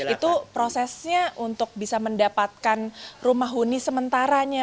itu prosesnya untuk bisa mendapatkan rumah huni sementaranya